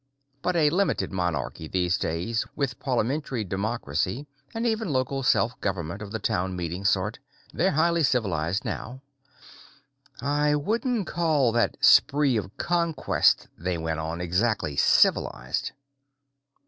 But a limited monarchy these days, with parliamentary democracy and even local self government of the town meeting sort. They're highly civilized now." "I wouldn't call that spree of conquest they went on exactly civilized."